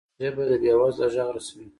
ژبه د بې وزله غږ رسوي